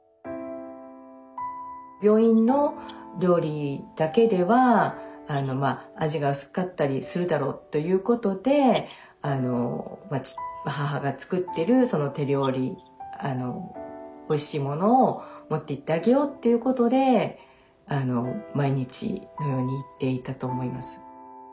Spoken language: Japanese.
病院の料理だけでは味が薄かったりするだろうということで母が作ってる手料理おいしいものを持っていってあげようっていうことで毎日のように行っていたと思います。